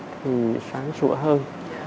thì sáng sủa hơn